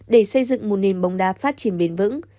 để xây dựng một nền bóng đá phát triển bền vững